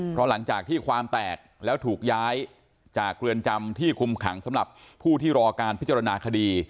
เพราะหลังจากที่ความแตกแล้วถูกย้ายจากเรือนจำที่คุมขังสำหรับผู้ที่รอการพิจารณาคดี